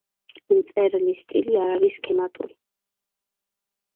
მწერლის სტილი არ არის სქემატური.